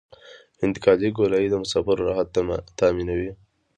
انتقالي ګولایي د مسافرو راحت تامینوي